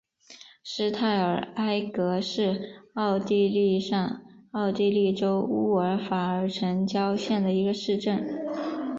施泰尔埃格是奥地利上奥地利州乌尔法尔城郊县的一个市镇。